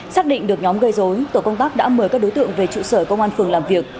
xác định được nhóm gây dối tổ công tác đã mời các đối tượng về trụ sở công an phường làm việc